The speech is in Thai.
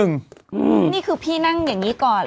นี่คือพี่นั่งอย่างนี้ก่อน